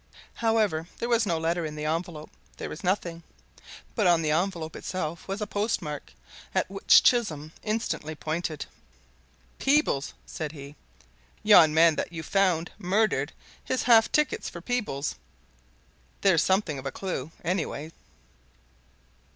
However, there was no letter in the envelope there was nothing. But on the envelope itself was a postmark, at which Chisholm instantly pointed. "Peebles!" said he. "Yon man that you found murdered his half ticket's for Peebles. There's something of a clue, anyway."